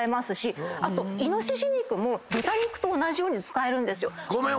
あとイノシシ肉も豚肉と同じように使えるんですよ。ごめん。